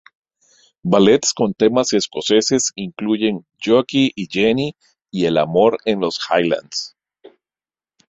Ballets con temas escoceses incluyen "Jockey y Jenny" y "El amor en los Highlands".